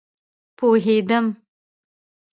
پوهیدم